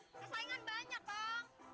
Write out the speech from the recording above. kesaingan banyak bang